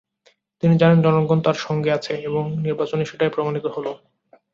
তিনি জানেন, জনগণ তাঁর সঙ্গে আছে, এবং নির্বাচনে সেটাই প্রমাণিত হলো।